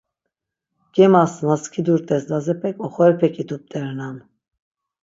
Gemas na skidurt̆es Lazepek oxorepe ǩidup̌t̆erenan.